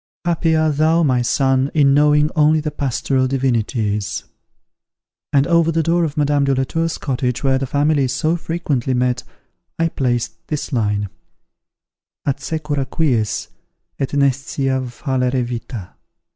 "Happy are thou, my son, in knowing only the pastoral divinities." And over the door of Madame de la Tour's cottage where the families so frequently met, I placed this line: At secura quies, et nescia fallere vita.